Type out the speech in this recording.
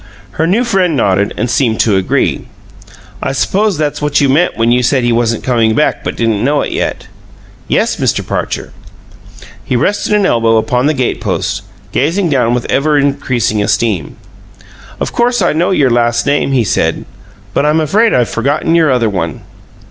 Her new friend nodded and seemed to agree. "I suppose that's what you meant when you said he wasn't coming back but didn't know it yet?" "Yes, Mr. Parcher." He rested an elbow upon the gate post, gazing down with ever increasing esteem. "Of course I know your last name," he said, "but I'm afraid I've forgotten your other one."